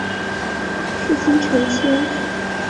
父亲陈谦。